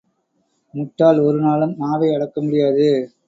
முட்டாள் ஒருநாளும் நாவை அடக்க முடியாது.